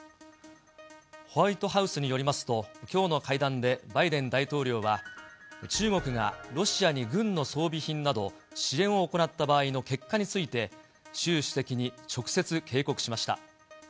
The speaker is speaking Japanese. ホワイトハウスによりますと、きょうの会談でバイデン大統領は、中国がロシアに軍の装備品など、支援を行った場合の結果について、習主席に直接警告しました。